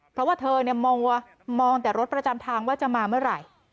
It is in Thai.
เพราะว่าเธอมองแต่รถประจำทางว่าจะมาเมื่อไหร่